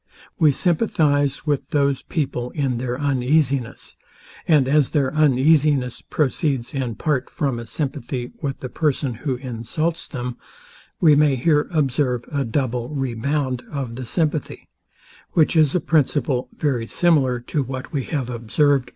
We sympathize with those people in their uneasiness; and as their uneasiness proceeds in part from a sympathy with the person who insults them, we may here observe a double rebound of the sympathy; which is a principle very similar to what we have observed.